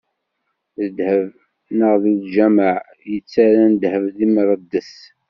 D ddheb, neɣ d lǧameɛ yettarran ddheb d imreddes?